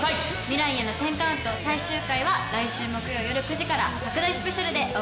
『未来への１０カウント』最終回は来週木曜よる９時から拡大スペシャルでお送りします。